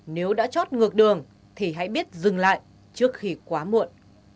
nếu đã chót ngược đường thì hãy biết dừng lại trước khi quá muộn